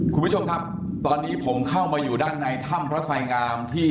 คุณผู้ชมครับตอนนี้ผมเข้ามาอยู่ด้านในถ้ำพระไสงามที่